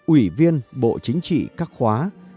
ủy viên bộ chính trị các khóa một mươi một một mươi hai